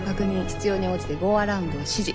必要に応じてゴーアラウンドを指示。